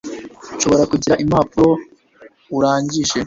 nshobora kugira impapuro urangije